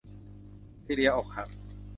ซีเลียอกหัก